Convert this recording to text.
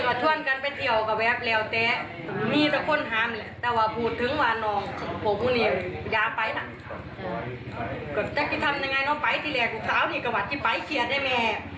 เจ๊ที่ทำยังไงเนอะไปที่แรกกูเขานี่ก็วันที่ไปเชียวได้แม่